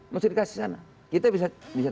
mesti dikasih sana kita bisa